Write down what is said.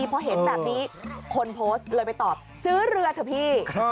พอเห็นแบบนี้คนโพสต์เลยไปตอบซื้อเรือเถอะพี่